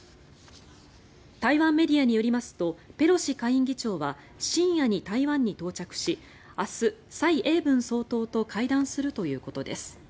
台湾メディアによりますとペロシ下院議長は深夜に台湾に到着し明日、蔡英文総統と会談するということです。